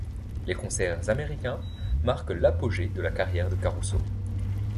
Les concerts américains marquent l'apogée de la carrière de Caruso.